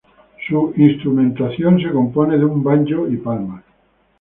Su instrumentación se compone de un banjo y palmas.